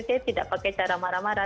saya tidak pakai cara marah marah